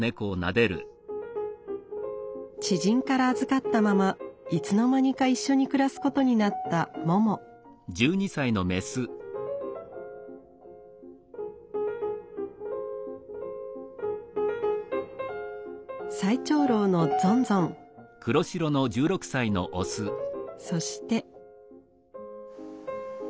知人から預かったままいつの間にか一緒に暮らすことになった最長老のそして。